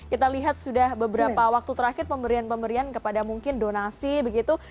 kita lihat sudah beberapa waktu terakhir pemberian pemberian kepada mungkin donasi begitu